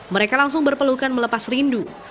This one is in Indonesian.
mereka langsung berpelukan melepas rindu